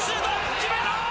決めた！